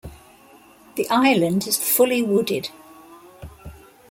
The island is fully wooded.